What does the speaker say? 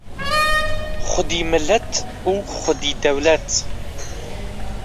Xwedî millet û xwedî dewlet